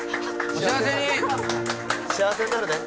幸せになるね。